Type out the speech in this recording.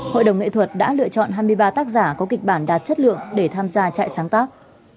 hội đồng nghệ thuật đã lựa chọn hai mươi ba tác giả có kịch bản đạt chất lượng để tham gia trại sáng tác